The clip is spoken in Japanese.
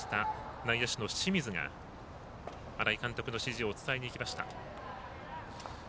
内野手の清水が荒井監督の指示を伝えに行きました。